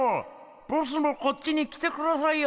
ボスもこっちに来てくださいよ。